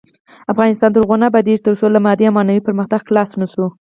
افغانستان تر هغو نه ابادیږي، ترڅو له مادي او معنوي پرمختګ خلاص نشو.